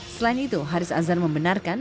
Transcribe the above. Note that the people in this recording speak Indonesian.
selain itu haris azhar memperkenalkan